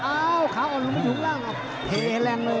อ้าวขาอ่อนลงประถมิถุงล่าง